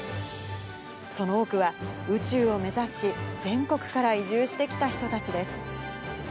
その多くは宇宙を目指し、全国から移住してきた人たちです。